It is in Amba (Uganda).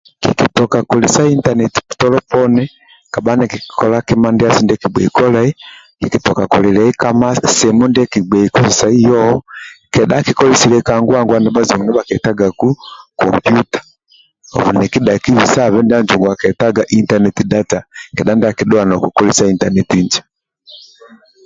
Kiki toka koseza internet tolo poni kabha nikikola kimysndyasu ndyekibghei kolai kikitoka kolililayai ka masimu ndyekibgei kozesai yoho bazungu ndi bhakyetagaku computer obhu nikidhaki bisaibe ndyabha kyetagaku internet data kedha ndyaki niwa nokukozesa internet injo